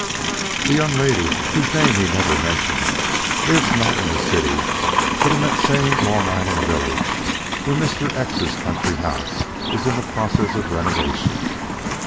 "The young lady, whose name he never mentioned, lives not in the city but in that same Long Island village where Mr. X's country house is in the process of renovation.